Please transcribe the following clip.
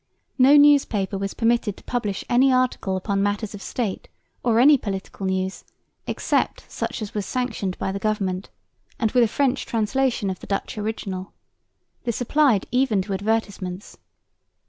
No newspaper was permitted to publish any article upon matters of State or any political news except such as was sanctioned by the government, and with a French translation of the Dutch original. This applied even to advertisements.